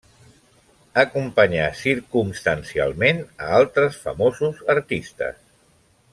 Acompanyà circumstancialment a altres famosos artistes.